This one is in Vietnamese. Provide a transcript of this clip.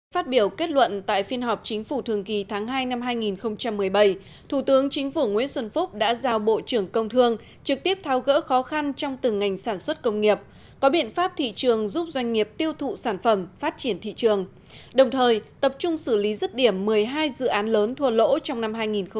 phát biểu kết luận tại phiên họp chính phủ thường kỳ tháng hai năm hai nghìn một mươi bảy thủ tướng chính phủ nguyễn xuân phúc đã giao bộ trưởng công thương trực tiếp thao gỡ khó khăn trong từng ngành sản xuất công nghiệp có biện pháp thị trường giúp doanh nghiệp tiêu thụ sản phẩm phát triển thị trường đồng thời tập trung xử lý rứt điểm một mươi hai dự án lớn thua lỗ trong năm hai nghìn một mươi chín